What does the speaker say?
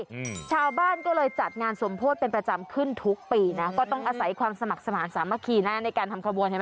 อืมชาวบ้านก็เลยจัดงานสมโพธิเป็นประจำขึ้นทุกปีนะก็ต้องอาศัยความสมัครสมาธิสามัคคีนะในการทำขบวนเห็นไหม